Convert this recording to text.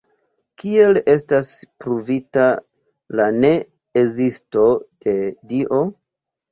Kiel estas ‘pruvita’ la ne-ezisto de Dio?